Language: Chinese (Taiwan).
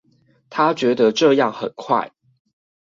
她覺得這樣很快